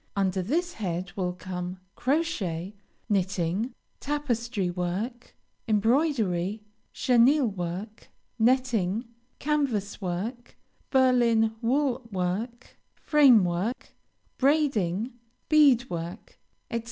Under this head will come Crochet, Knitting, Tapestry work, Embroidery, Chenille work, Netting, Canvas work, Berlin wool work, Frame work, Braiding, Bead work, etc.